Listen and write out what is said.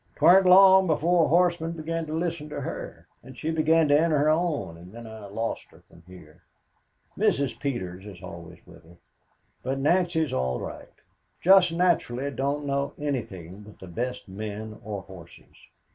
'Twan't long before horsemen began to listen to her, and she began to enter her own and then I lost her from here. Mrs. Peters is always with her, but Nancy is all right. Just naturally don't know anything but the best men or horses.